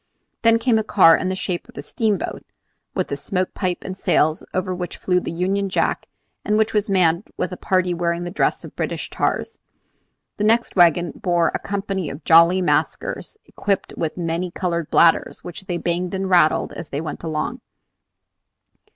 Then came a car in the shape of a steamboat, with a smoke pipe and sails, over which flew the Union Jack, and which was manned with a party wearing the dress of British tars. The next wagon bore a company of jolly maskers equipped with many colored bladders, which they banged and rattled as they went along.